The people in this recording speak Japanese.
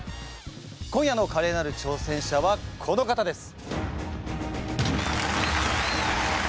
今夜のカレーなる挑戦者はこの方です！